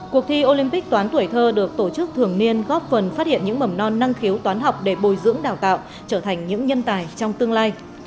cuộc thi olympic toán tuổi thơ được tổ chức thường niên góp phần phát hiện những mầm non năng khiếu toán học để bồi dưỡng đào tạo trở thành những nhân tài trong tương lai